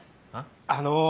あの。